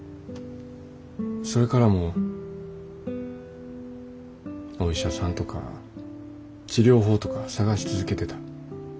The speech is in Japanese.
それからもお医者さんとか治療法とか探し続けてた。